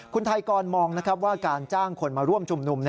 คุณไทยกรมองนะครับว่าการจ้างคนมาร่วมชุมนุม